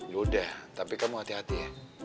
yaudah tapi kamu hati hati ya